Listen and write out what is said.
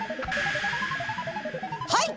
はい！